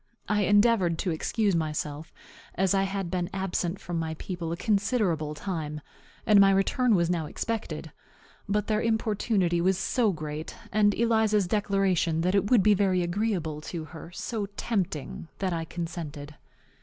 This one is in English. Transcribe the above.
I endeavored to excuse myself, as I had been absent from my people a considerable time, and my return was now expected. But their importunity was so great, and Eliza's declaration that it would be very agreeable to her so tempting, that I consented.